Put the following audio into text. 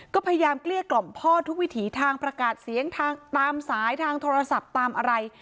ก็พยายามเกลี้ยกล่อมพ่อทุกวิถีทางประกาศเสียงทางตามสายทางโทรศัพท์ตามอะไร